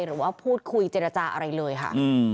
หรือว่าพูดคุยเจรจาอะไรเลยค่ะ